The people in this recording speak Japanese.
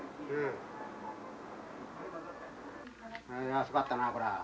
安かったなあこら。